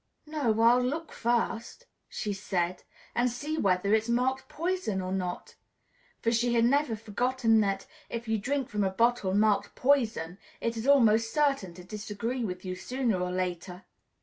"No, I'll look first," she said, "and see whether it's marked 'poison' or not," for she had never forgotten that, if you drink from a bottle marked "poison," it is almost certain to disagree with you, sooner or later.